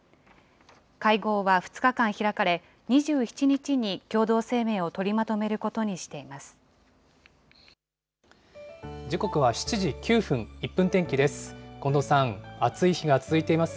会合は２日間開かれ、２７日に共同声明を取りまとめることにして時刻は７時９分、１分天気です。